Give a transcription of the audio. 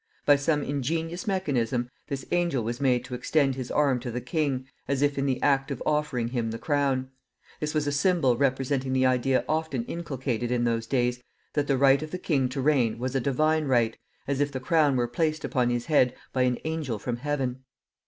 By some ingenious mechanism, this angel was made to extend his arm to the king, as if in the act of offering him the crown. This was a symbol representing the idea often inculcated in those days, that the right of the king to reign was a divine right, as if the crown were placed upon his head by an angel from heaven.